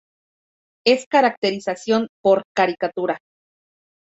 Es caracterización por caricatura".